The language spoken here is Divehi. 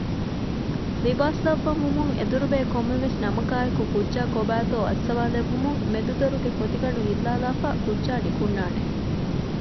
ލިބާސް ލައްވަންވުމުން އެދުރުބޭ ކޮންމެވެސް ނަމަކާއެކު ކުއްޖާ ކޮބައިތޯ އައްސަވާލެއްވުމުން މެދު ދޮރުގެ ފޮތިގަނޑު ހިއްލާލާފައި ކުއްޖާ ނިކުންނާނެ